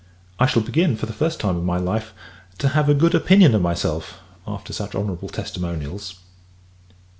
I shall begin, for the first time of my life, to have a good opinion of myself, after such honourable testimonials.